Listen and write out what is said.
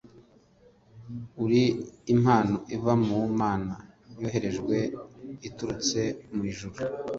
Uri impano iva ku Mana yoherejwe iturutse mu Ijuru